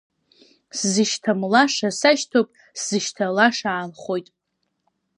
Сзышьҭамлаша сашьҭоуп, сзышьҭалаша аанхоит.